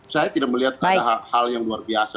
saya tidak melihat ada hal yang luar biasa